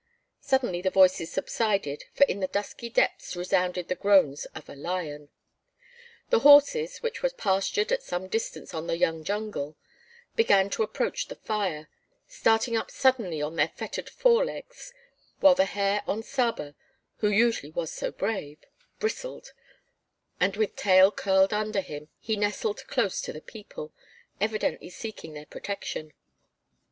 Suddenly the voices subsided for in the dusky depths resounded the groans of a lion. The horses, which were pastured at some distance on the young jungle, began to approach the fire, starting up suddenly on their fettered fore legs, while the hair on Saba, who usually was so brave, bristled, and with tail curled under him, he nestled close to the people, evidently seeking their protection.